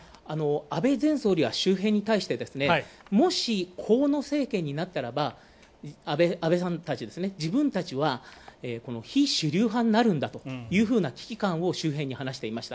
安倍前総理大臣は周辺に対して、もし河野政権になったならば、安倍さんたち自分たちは非主流派になるんだと危機感を周辺に話していました。